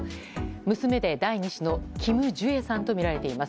娘で第２子のキム・ジュエさんとみられています。